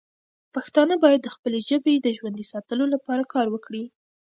پښتانه باید د خپلې ژبې د ژوندی ساتلو لپاره کار وکړي.